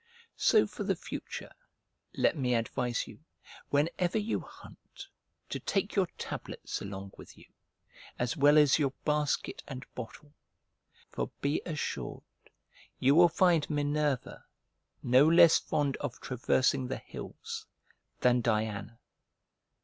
So for the future, let me advise you, whenever you hunt, to take your tablets along with you, as well as your basket and bottle, for be assured you will find Minerva no less fond of traversing the hills than Diana.